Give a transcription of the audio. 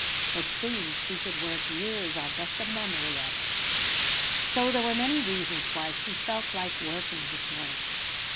It seemed she could work years on just the memory of it. So there were many reasons why she felt like working this morning.